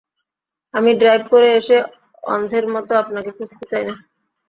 আমি ড্রাইভ করে এসে, অন্ধের মতো আপনাকে খুঁজতে চাই না।